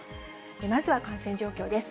まずは感染状況です。